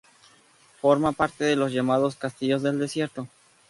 Forma parte de los llamados castillos del desierto.